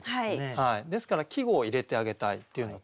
ですから季語を入れてあげたいっていうのと